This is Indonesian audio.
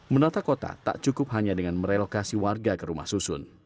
menata kota tak cukup hanya dengan merelokasi warga ke rumah susun